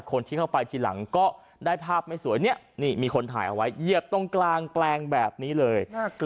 คนที่เข้าไปทีหลังก็ได้ภาพไม่สวยเนี่ยนี่มีคนถ่ายเอาไว้เหยียบตรงกลางแปลงแบบนี้เลย